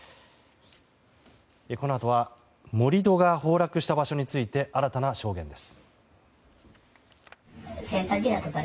このあとは盛り土が崩落した場所について新たな証言です。